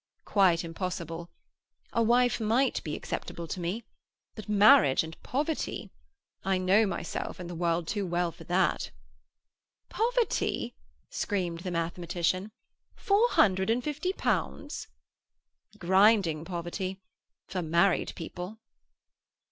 "Quite impossible. A wife might be acceptable to me; but marriage with poverty—I know myself and the world too well for that." "Poverty!" screamed the mathematician. "Four hundred and fifty pounds!" "Grinding poverty—for married people."